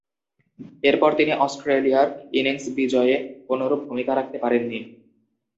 এরপর তিনি অস্ট্রেলিয়ার ইনিংস বিজয়ে কোনরূপ ভূমিকা রাখতে পারেননি।